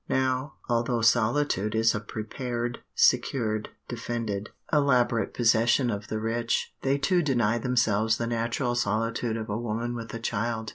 Now, although solitude is a prepared, secured, defended, elaborate possession of the rich, they too deny themselves the natural solitude of a woman with a child.